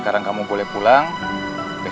saya belum mau pulang pak